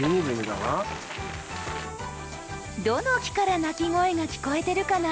どの木から鳴き声が聞こえてるかな？